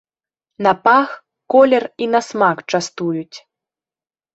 На пах, колер і на смак частуюць.